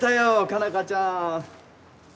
佳奈花ちゃん。